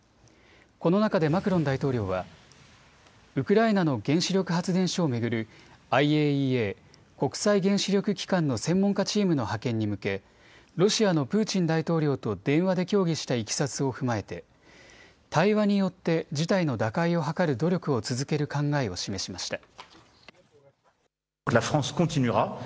この中でマクロン大統領はウクライナの原子力発電所を巡るＩＡＥＡ・国際原子力機関の専門家チームの派遣に向けロシアのプーチン大統領と電話で協議したいきさつを踏まえて対話によって事態の打開を図る努力を続ける考えを示しました。